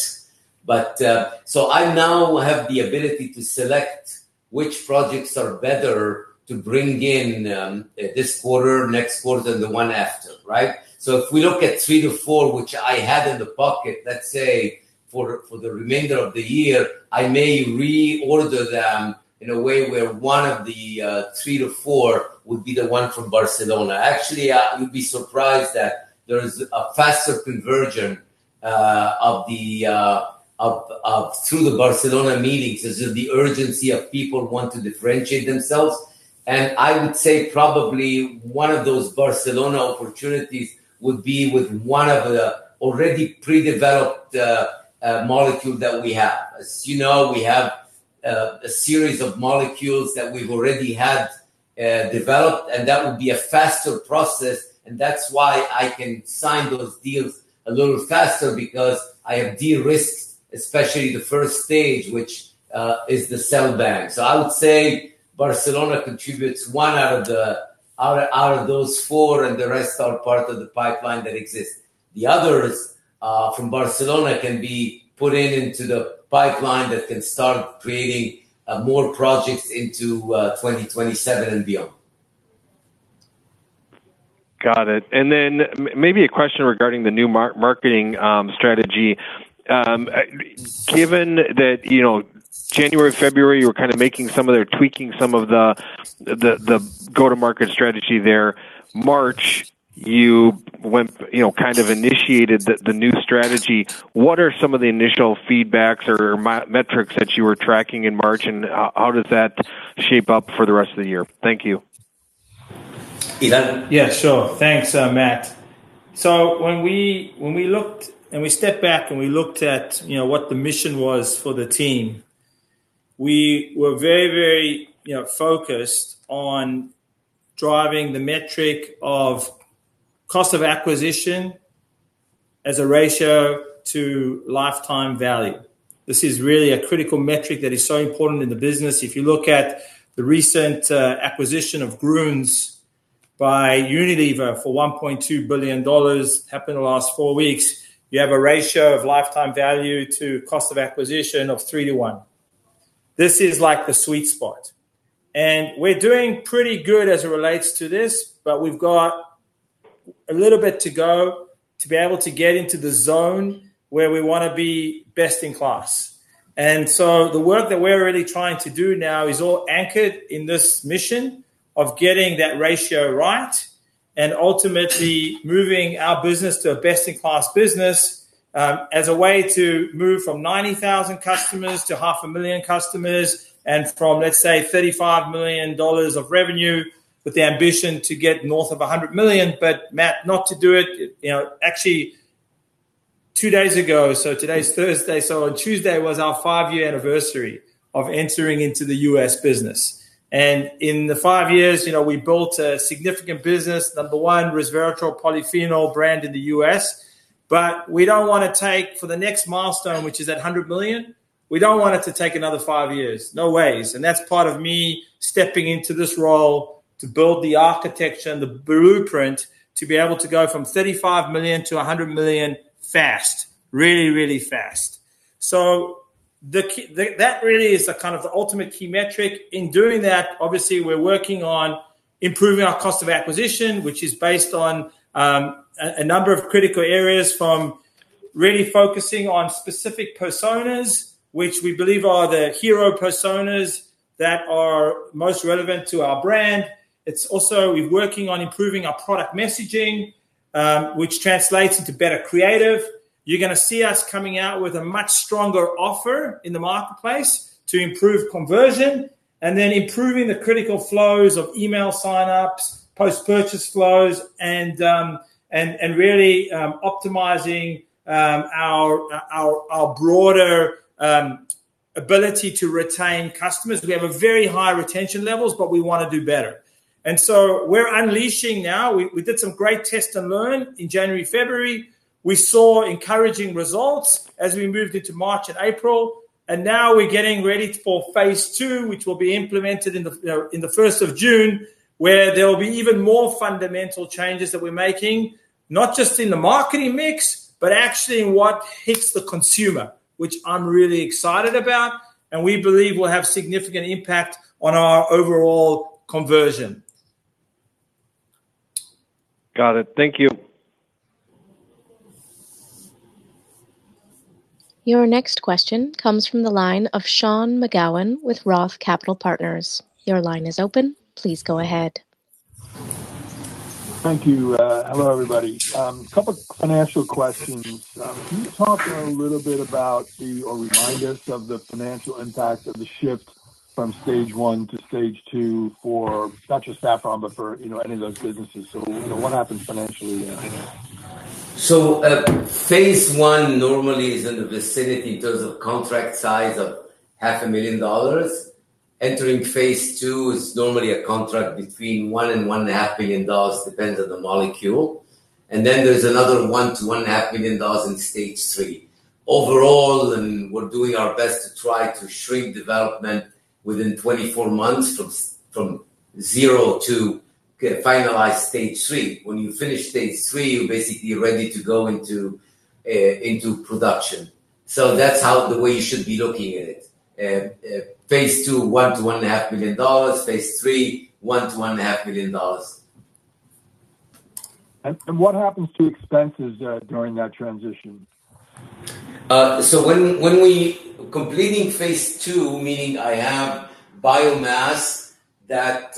I now have the ability to select which projects are better to bring in this quarter, next quarter, and the one after, right? If we look at 3-4, which I have in the bucket, let's say, for the remainder of the year, I may reorder them in a way where one of the 3-4 would be the one from Barcelona. Actually, you'd be surprised that there's a faster conversion of the through the Barcelona meetings as to the urgency of people want to differentiate themselves. I would say probably one of those Barcelona opportunities would be with one of the already pre-developed molecule that we have. As you know, we have a series of molecules that we've already had developed, that would be a faster process, that's why I can sign those deals a little faster because I have de-risked, especially the first stage, which is the cell bank. I would say Barcelona contributes one out of those four, the rest are part of the pipeline that exists. The others from Barcelona can be put into the pipeline that can start creating more projects into 2027 and beyond. Got it. Maybe a question regarding the new marketing strategy. Given that, you know, January, February, you were kind of tweaking some of the go-to-market strategy there. March, you went, you know, kind of initiated the new strategy. What are some of the initial feedbacks or metrics that you were tracking in March, and how does that shape up for the rest of the year? Thank you. Ilan? Yeah, sure. Thanks, Matt. When we looked and we stepped back and we looked at, you know, what the mission was for the team, we were very, you know, focused on driving the metric of cost of acquisition as a ratio to lifetime value. This is really a critical metric that is so important in the business. If you look at the recent acquisition of Grüns by Unilever for $1.2 billion. Happened the last four weeks. You have a ratio of lifetime value to cost of acquisition of 3:1. This is like the sweet spot. We're doing pretty good as it relates to this, but we've got a little bit to go to be able to get into the zone where we wanna be best in class. The work that we're really trying to do now is all anchored in this mission of getting that ratio right and ultimately moving our business to a best in class business, as a way to move from 90,000 customers to 500,000 customers and from, let's say, $35 million of revenue with the ambition to get north of 100 million. Matt, not to do it, you know actually two days ago, so today's Thursday, so on Tuesday was our five-year anniversary of entering into the U.S. business. In the five years, you know, we built a significant business, number one resveratrol polyphenol brand in the U.S. We don't wanna take, for the next milestone, which is that 100 million, we don't want it to take another five years. No ways. That's part of me stepping into this role to build the architecture and the blueprint to be able to go from $35 million-$100 million fast. Really, really fast. That really is the kind of the ultimate key metric. In doing that, obviously, we're working on improving our cost of acquisition, which is based on a number of critical areas from really focusing on specific personas, which we believe are the hero personas that are most relevant to our brand. It's also we're working on improving our product messaging, which translates into better creative. You're gonna see us coming out with a much stronger offer in the marketplace to improve conversion and then improving the critical flows of email signups, post-purchase flows and really optimizing our broader ability to retain customers. We have a very high retention levels, but we wanna do better. We're unleashing now. We did some great test and learn in January, February. We saw encouraging results as we moved into March and April, and now we're getting ready for phase II, which will be implemented in the first of June, where there will be even more fundamental changes that we're making, not just in the marketing mix, but actually in what hits the consumer, which I'm really excited about, and we believe will have significant impact on our overall conversion. Got it. Thank you. Your next question comes from the line of Sean McGowan with Roth Capital Partners. Your line is open. Please go ahead. Thank you. Hello, everybody. A couple of financial questions. Can you talk a little bit about the or remind us of the financial impact of the shift from stage I to stage II for not just Saffron Tech, but for, you know, any of those businesses? You know, what happens financially there? Phase I normally is in the vicinity in terms of contract size of half a million dollars. Entering phase II is normally a contract between $1 million and $1.5 million, depends on the molecule. Then there's another $1 million to $1.5 million in stage III. Overall, we're doing our best to try to shrink development within 24 months from zero to get finalized stage III. When you finish stage III, you're basically ready to go into production. That's how the way you should be looking at it, phase II, $1 million to $1.5 million, phase III, $1 million to $1.5 million. What happens to expenses during that transition? When completing phase II, meaning I have biomass that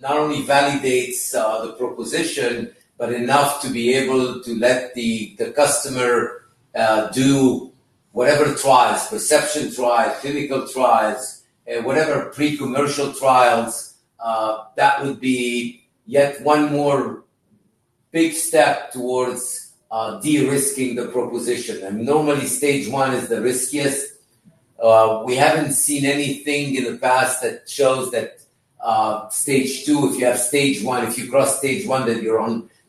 not only validates the proposition, but enough to be able to let the customer do whatever trials, perception trials, clinical trials, whatever pre-commercial trials, that would be yet one more big step towards de-risking the proposition. Normally, stage I is the riskiest. We haven't seen anything in the past that shows that stage II, if you have stage I, if you cross stage I,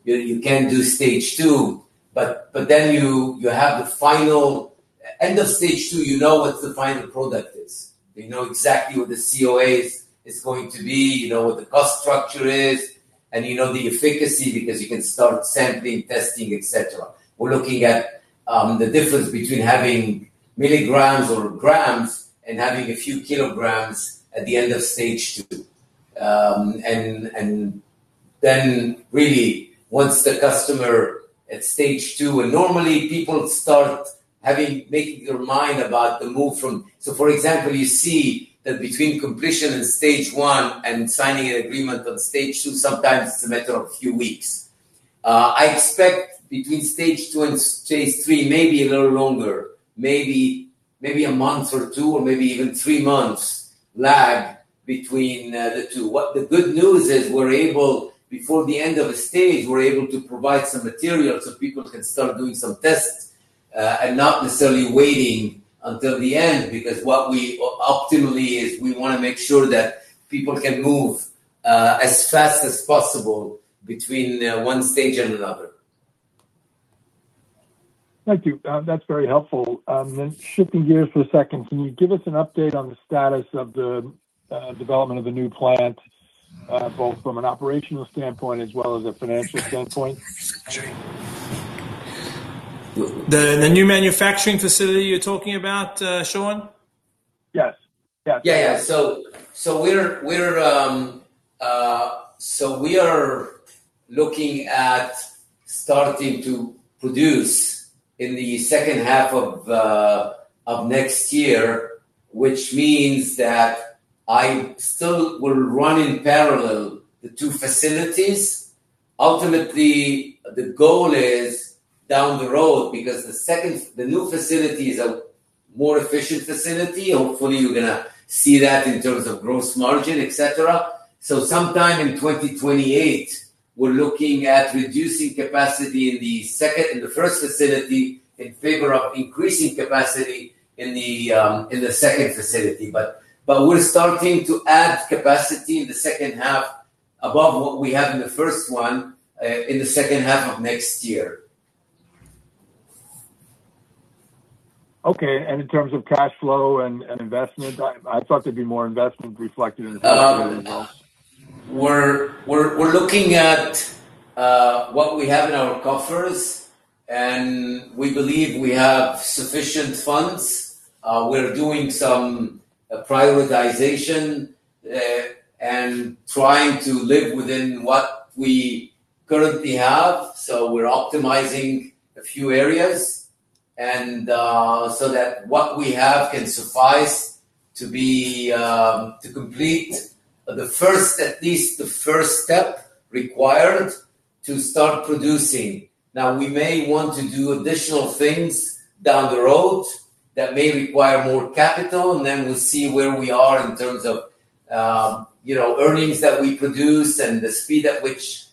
you can do stage II. Then you have the final. End of stage II, you know what the final product is. You know exactly what the COA is going to be. You know what the cost structure is, and you know the efficacy because you can start sampling, testing, et cetera. We're looking at the difference between having milligrams or grams and having a few kilograms at the end of stage II. And normally people making their mind about the move from So, for example, you see that between completion and stage I and signing an agreement on stage II, sometimes it's a matter of a few weeks. I expect between stage II and stage III, maybe a little longer, maybe a month or two, or maybe even three months lag between the two. What the good news is, we're able, before the end of a stage, we're able to provide some material so people can start doing some tests and not necessarily waiting until the end. What we optimally is we wanna make sure that people can move as fast as possible between one stage and another. Thank you. That's very helpful. Shifting gears for a second, can you give us an update on the status of the development of the new plant, both from an operational standpoint as well as a financial standpoint? The new manufacturing facility you're talking about, Sean? Yes. Yeah. Yeah, yeah. We are looking at starting to produce in the second half of next year, which means that I still will run in parallel the two facilities. Ultimately, the goal is down the road because the new facility is a more efficient facility. Hopefully, you're gonna see that in terms of gross margin, et cetera. Sometime in 2028, we're looking at reducing capacity in the first facility in favor of increasing capacity in the second facility. We're starting to add capacity in the second half above what we have in the 1st one in the second half of next year. Okay. In terms of cash flow and investment, I thought there'd be more investment reflected in the cash flow as well. We're looking at what we have in our coffers, and we believe we have sufficient funds. We're doing some prioritization and trying to live within what we currently have. We're optimizing a few areas and so that what we have can suffice to be to complete at least the first step required to start producing. Now, we may want to do additional things down the road that may require more capital, and then we'll see where we are in terms of, you know, earnings that we produce and the speed at which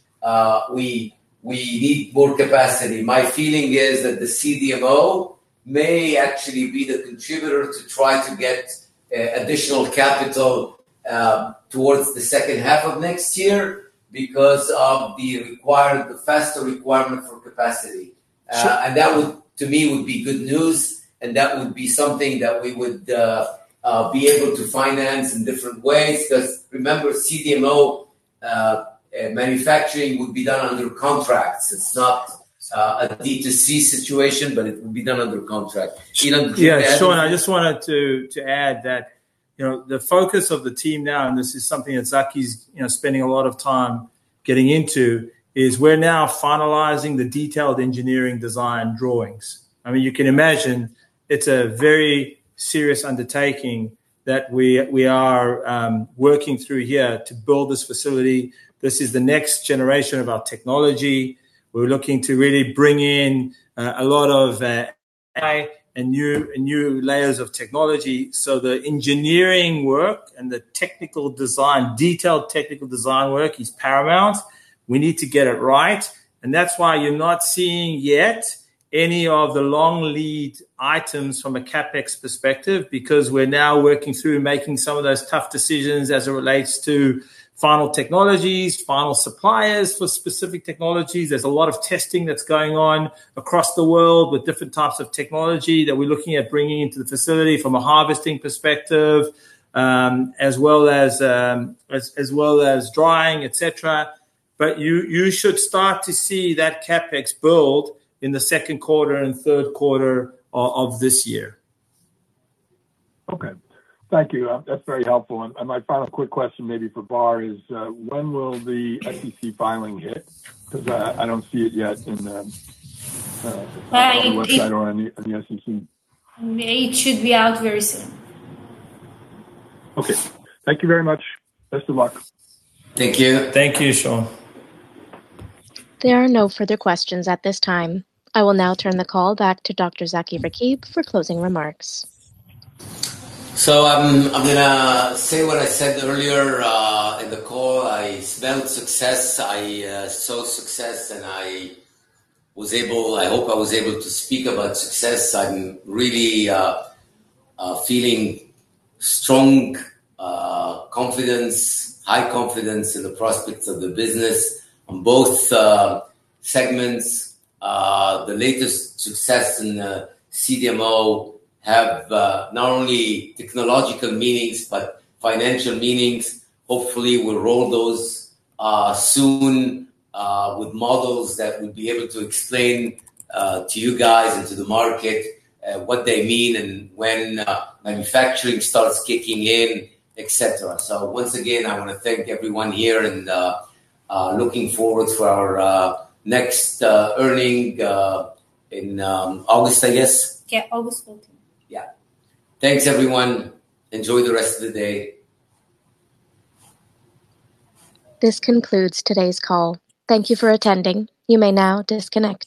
we need more capacity. My feeling is that the CDMO may actually be the contributor to try to get additional capital towards the second half of next year because of the faster requirement for capacity. That would, to me, would be good news, and that would be something that we would be able to finance in different ways. 'Cause remember, CDMO manufacturing would be done under contracts. It's not a D2C situation, but it would be done under contract. Ilan, do you? Yeah. Sean, I just wanted to add that, you know, the focus of the team now, and this is something that Zaki's, you know, spending a lot of time getting into, is we're now finalizing the detailed engineering design drawings. I mean, you can imagine it's a very serious undertaking that we are working through here to build this facility. This is the next generation of our technology. New layers of technology. The engineering work and the technical design, detailed technical design work is paramount. We need to get it right, and that's why you're not seeing yet any of the long lead items from a CapEx perspective, because we're now working through making some of those tough decisions as it relates to final technologies, final suppliers for specific technologies. There's a lot of testing that's going on across the world with different types of technology that we're looking at bringing into the facility from a harvesting perspective, as well as drying, etc. You should start to see that CapEx build in the second quarter and third quarter of this year. Okay. Thank you. That's very helpful. My final quick question maybe for Bar is, when will the SEC filing hit? 'Cause I don't see it yet in. I- On the website or on the SEC. It should be out very soon. Okay. Thank you very much. Best of luck. Thank you. Thank you, Sean. There are no further questions at this time. I will now turn the call back to Dr. Zaki Rakib for closing remarks. I'm gonna say what I said earlier in the call. I smelled success, I saw success, and I hope I was able to speak about success. I'm really feeling strong confidence, high confidence in the prospects of the business on both segments. The latest success in CDMO have not only technological meanings but financial meanings. Hopefully, we'll roll those soon with models that will be able to explain to you guys and to the market what they mean and when manufacturing starts kicking in, etc. Once again, I wanna thank everyone here and looking forward to our next earning in August, I guess. Yeah, August 14th. Yeah. Thanks, everyone. Enjoy the rest of the day. This concludes today's call. Thank you for attending. You may now disconnect.